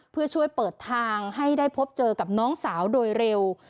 เพื่อช่วยเปิดทางให้ได้พบเจอกับน้องสาวโดยเร็ว